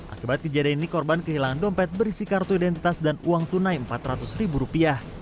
akibat kejadian ini korban kehilangan dompet berisi kartu identitas dan uang tunai empat ratus ribu rupiah